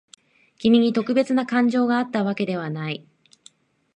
君に特別な感情があったわけではない。